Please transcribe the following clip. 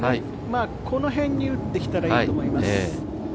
この辺に打ってきたらいいと思います。